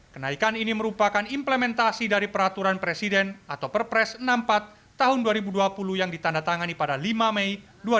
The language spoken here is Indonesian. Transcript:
kenaikan ini merupakan implementasi dari peraturan presiden atau perpres enam puluh empat tahun dua ribu dua puluh yang ditandatangani pada lima mei dua ribu dua puluh